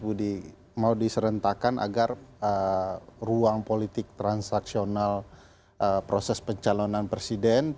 budi mau diserentakkan agar ruang politik transaksional proses pencalonan presiden